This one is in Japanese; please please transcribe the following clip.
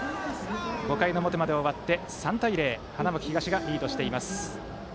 ５回の表まで終わって３対０と花巻東がリードしています。